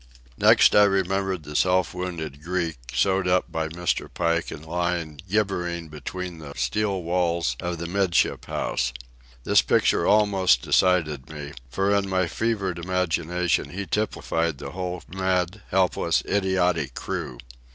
Next I remembered the self wounded Greek, sewed up by Mr. Pike and lying gibbering between the steel walls of the 'midship house. This picture almost decided me, for in my fevered imagination he typified the whole mad, helpless, idiotic crew.